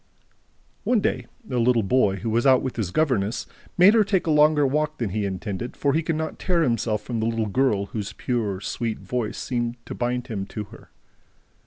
One day, a little boy, who was out with his governess, made her take a longer walk than he intended, for he could not tear himself from the little girl whose pure, sweet voice seemed to bind him to her.